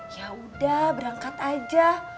yaudah berangkat aja